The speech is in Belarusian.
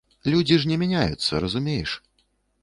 Людзі ж не мяняюцца, разумееш.